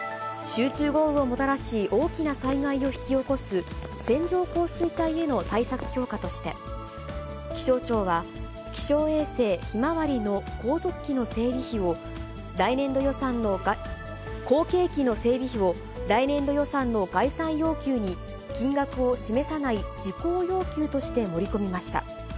集中豪雨をもたらし大きな災害を引き起こす線状降水帯への対策強化として、気象庁は、気象衛星ひまわりの後続機の整備費を、来年度予算の、後継機の整備費を、来年度予算の概算要求に金額を示さない事項要求として盛り込みました。